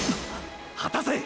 果たせ！！